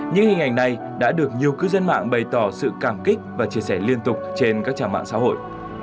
những hình ảnh này đã được nhiều cư dân mạng bày tỏ sự cảm kích và chia sẻ liên tục trên các trang mạng xã hội